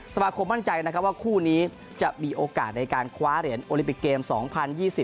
สมาคมมั่นใจนะครับว่าคู่นี้จะมีโอกาสในการคว้าเหรียญโอลิปิกเกม๒๐๒๐